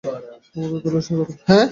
আমাদের দলে স্বাগতম।